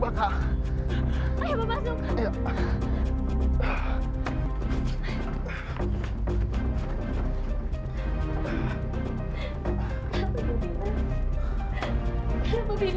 pak ada mufinan